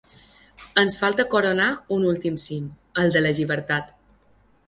Ens falta coronar un últim cim, el de la llibertat.